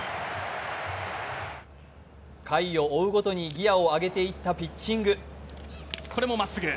回を追うごとにギヤを上げていったピッチング。